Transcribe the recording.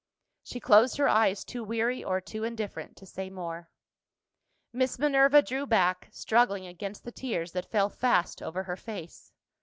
She closed her eyes, too weary or too indifferent to say more. Miss Minerva drew back, struggling against the tears that fell fast over her face.